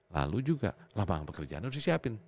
lalu juga lapangan pekerjaan harus disiapin